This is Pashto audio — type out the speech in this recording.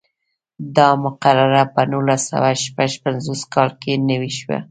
دا مقرره په نولس سوه شپږ پنځوس کال کې نوې شوه.